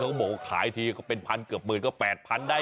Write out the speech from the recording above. เขาบอกว่าขายทีก็เป็นพันเกือบหมื่นก็๘๐๐๐ได้